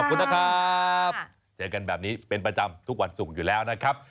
ขอบคุณนะครับเจอกันแบบนี้เป็นประจำทุกวันศุกร์อยู่แล้วนะครับ